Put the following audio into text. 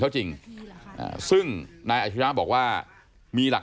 ร้องร้องร้องร้องร้องร้อง